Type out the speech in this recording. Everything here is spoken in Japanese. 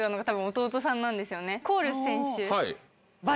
弟さん